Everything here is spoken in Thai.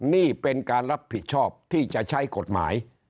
นี่เป็นการรับผิดชอบที่จะใช้กฎหมาย